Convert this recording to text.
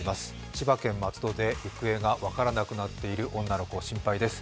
千葉県松戸で行方が分からなくなっている女の子、心配です。